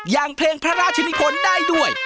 ยังเพลงพระราชนิพนธ์ได้ด้วย